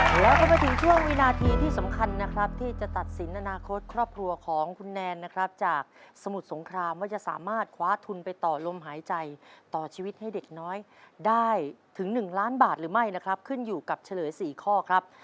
แล้วก็มาถึงช่วงวินาทีที่สำคัญนะครับที่จะตัดสินอนาคตครอบครัวของคุณแนนนะครับจากสมุทรสงครามว่าจะสามารถคว้าทุนไปต่อลมหายใจต่อชีวิตให้เด็กน้อยได้ถึง๑ล้านบาทหรือไม่นะครับขึ้นอยู่กับเฉลย๔ข้อครับ